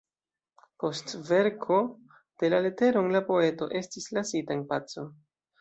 Post verko de la leteron, la poeto estis lasita en paco.